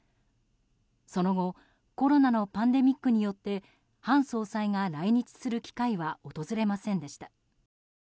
その後コロナのパンデミックによってハン総裁が来日する機会は訪れませんでした。